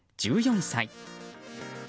１４歳。